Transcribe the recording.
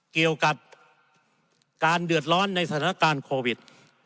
เกี่ยวกับการเดือดร้อนในสถานการณ์โควิด